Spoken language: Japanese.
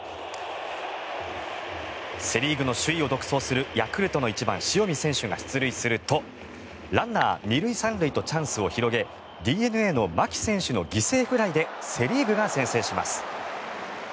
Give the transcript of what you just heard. セ・リーグの首位を独走するヤクルトの１番、塩見選手が出塁すると、ランナー２塁３塁とチャンスを広げＤｅＮＡの牧選手の犠牲フライでセ・リーグが先制します。